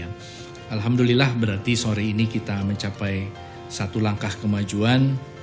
alhamdulillah berarti sore ini kita mencapai satu langkah kemajuan